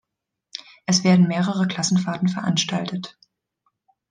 Es werden mehrere Klassenfahrten veranstaltet.